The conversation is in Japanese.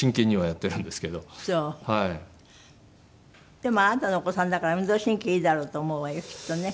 でもあなたのお子さんだから運動神経いいだろうと思うわよきっとね。